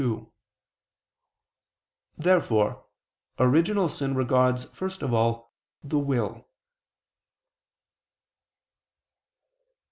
Therefore original sin regards first of all the will.